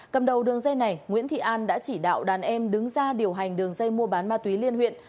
cầm đầu đường dây này nguyễn thị an đã chỉ đạo đàn em đứng ra điều hành đường dây mua bán ma túy liên huyện